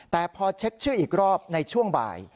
แต่พอเช็คชื่ออีกรอบในช่วงบ่าย